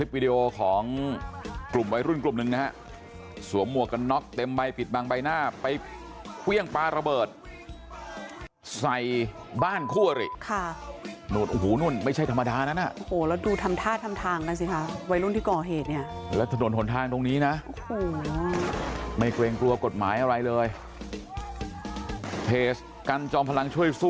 วิ่งป่าววิ่งป่าววิ่งป่าววิ่งถ้าเจอครบจริง